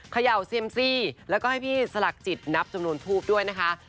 เขย่าเซียมซี่แล้วก็ให้พี่สลักจิตนับจำนวนทูบด้วยนะคะ